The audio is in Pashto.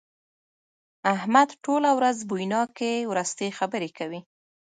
احمد ټوله ورځ بويناکې ورستې خبرې کوي.